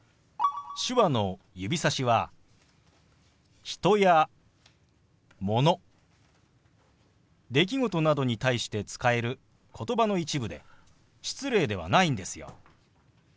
手話の指さしは人やもの出来事などに対して使える言葉の一部で失礼ではないんですよ。